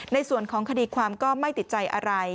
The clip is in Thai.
ในส่วนของคดีความก็ไม่ติดใจอะไร